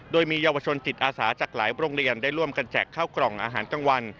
โดยมีเยาวชนจิตอาสาจากหลายโรงเรียนได้ร่วมกันแจกข้าวกล่องอาหารกลางวัน